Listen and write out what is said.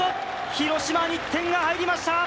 広島に１点が入りました